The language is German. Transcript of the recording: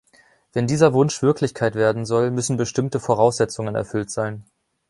Wenn dieser Wunsch Wirklichkeit werden soll, müssen bestimmte Voraussetzungen erfüllt sein.